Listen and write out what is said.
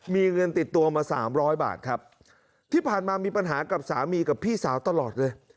มีเงินติดตัวมาสามร้อยบาทครับที่ผ่านมามีปัญหากับสามีกับพี่สาวตลอดเลย